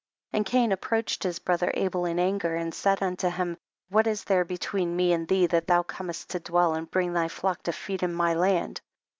18. And Cain approached his bro ther Abel in anger, and he said unto him, what is there between me and thee that thou comest to dwell and bring tJiy flock to feed in my land